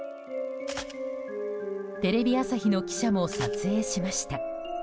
テレビ朝日の記者も撮影しました。